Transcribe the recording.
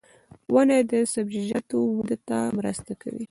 • ونه د سبزیجاتو وده ته مرسته کوي.